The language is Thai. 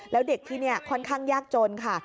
แล้วเด็กที่นี่ค่อนข้างยากจนค่ะ